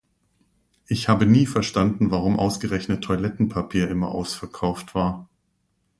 Ich habe nie verstanden, warum ausgerechnet Toilettenpapier immer ausverkauft war.